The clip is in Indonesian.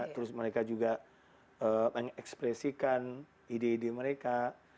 terus mereka juga mengekspresikan ide ide mereka